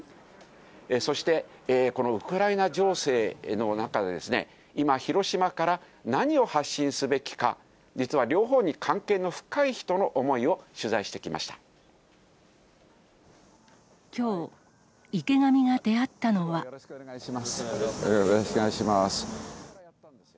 そしてこのウクライナ情勢の中、今、広島から何を発信すべきか、実は両方に関係の深い人の思いをきょう、よろしくお願いします。